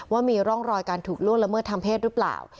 ว่ามีร่องรอยการถูกล่วงระเมิ๑๙๘๐รึเปล่า